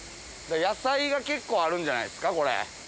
野菜が結構あるんじゃないですかこれ。